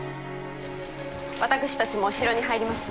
私たちも城に入ります。